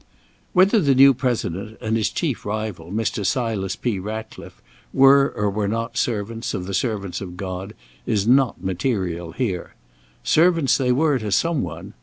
Whether the new President and his chief rival, Mr. Silas P. Ratcliffe, were or were not servants of the servants of God, is not material here. Servants they were to some one.